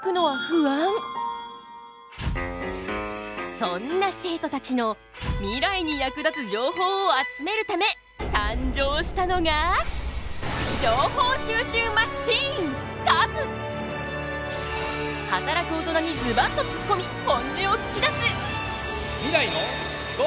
そんな生徒たちのミライに役立つ情報を集めるため誕生したのが働く大人にズバッとつっこみ本音を聞きだす！